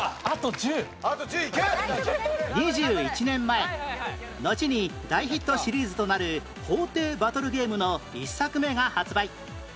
２１年前のちに大ヒットシリーズとなる法廷バトルゲームの１作目が発売